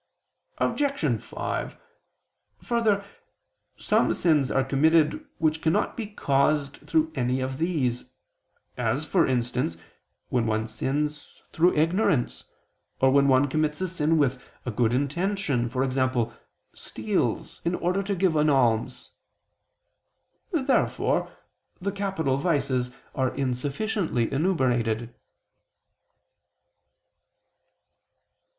Obj. 5: Further, some sins are committed which cannot be caused through any of these: as, for instance, when one sins through ignorance, or when one commits a sin with a good intention, e.g. steals in order to give an alms. Therefore the capital vices are insufficiently enumerated.